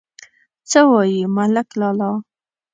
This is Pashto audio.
_څه وايي ملک لالا!